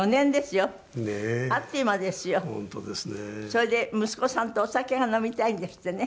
それで息子さんとお酒が飲みたいんですってね。